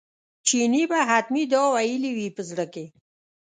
چیني به حتمي دا ویلي وي په زړه کې.